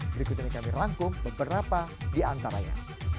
berikut ini kami rangkum beberapa di antaranya